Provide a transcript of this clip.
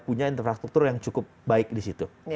punya infrastruktur yang cukup baik di situ